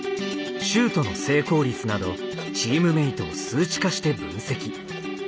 シュートの成功率などチームメートを数値化して分析。